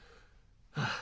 ああ。